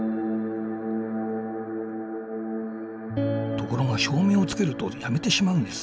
ところが照明をつけるとやめてしまうんです。